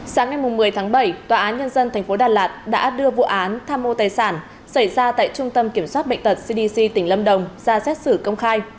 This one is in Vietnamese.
sáng ngày một mươi tháng bảy tòa án nhân dân tp đà lạt đã đưa vụ án tham mô tài sản xảy ra tại trung tâm kiểm soát bệnh tật cdc tỉnh lâm đồng ra xét xử công khai